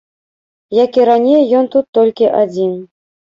Як і раней, ён тут толькі адзін.